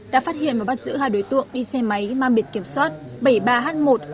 đã phát hiện và bắt giữ hai đối tượng đi xe máy mang biệt kiểm soát bảy mươi ba h một hai mươi một nghìn hai trăm bảy mươi